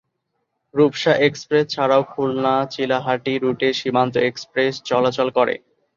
Rupsa Express ছাড়াও খুলনা চিলাহাটি রুটে Simanta Express চলাচল করে।